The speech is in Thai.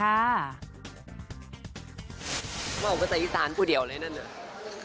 ว่าว่าภาษาอีสานกูเดียวอะไรอย่างนั้นเหรอ